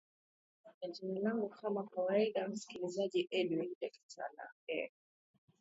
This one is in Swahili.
na jina langu kama kawaida msikilizaji edwin ndeketela eeh